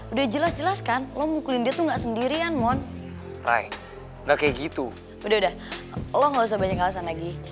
udah udah lo gak usah banyak alasan lagi